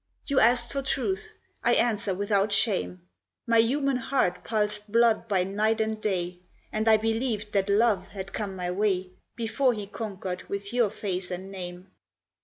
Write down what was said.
You asked for truth; I answer without shame; My human heart pulsed blood by night and day, And I believed that Love had come my way Before he conquered with your face and name.